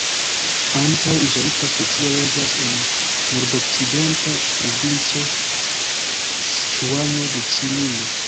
Ankaŭ izolita specio loĝas en nordokcidenta provinco Siĉuano de Ĉinio.